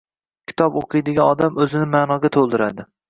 Kitob o‘qiydigan odam o‘zini ma’noga to‘ldiradi.